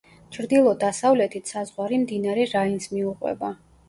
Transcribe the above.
ჩრდილო-დასავლეთით საზღვარი მდინარე რაინს მიუყვება.